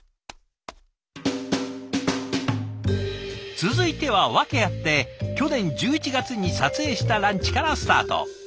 続いては訳あって去年１１月に撮影したランチからスタート。